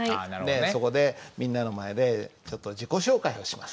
そこでみんなの前でちょっと自己紹介をします。